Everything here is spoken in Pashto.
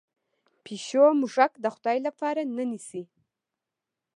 پیشو موږک د خدای لپاره نه نیسي.